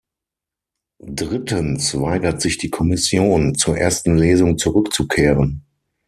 Drittens weigert sich die Kommission, zur ersten Lesung zurückzukehren.